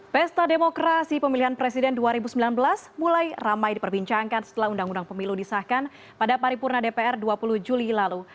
pesta demokrasi pemilihan presiden dua ribu sembilan belas mulai ramai diperbincangkan setelah undang undang pemilu disahkan pada paripurna dpr dua puluh juli lalu